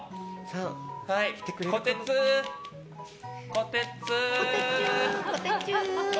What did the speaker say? こてつー！